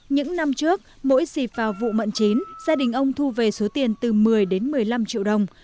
những năm trước mỗi dịp vào vụ mận chín gia đình ông thu về số tiền từ một mươi đến một mươi năm triệu đồng